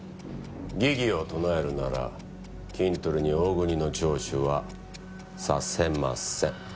疑義を唱えるならキントリに大國の聴取はさせません。